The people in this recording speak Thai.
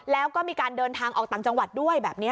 แล้วก็มีการเดินทางออกต่างจังหวัดด้วยแบบนี้